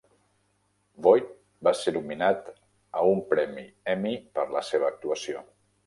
Voight va ser nominat a un premi Emmy per la seva actuació.